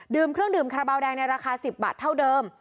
ดื่มเครื่องดื่มขระเบาแดงในราคา๑๐บาทเท่าเดิม